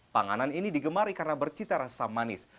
panganan ini digemari karena bercita rasa manis